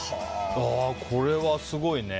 これはすごいね。